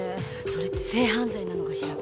それって性犯罪なのかしら？